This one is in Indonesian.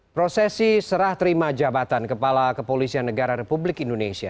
prosesi serah terima jabatan kepala kepolisian negara republik indonesia